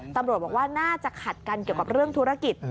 ตำรวจบอกว่าน่าจะขัดกันเกี่ยวกับเรื่องธุรกิจ